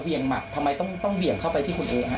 เวียงมักทำไมต้องเป้าเวียงเข้าไปที่คุณเอ๊ะค่ะ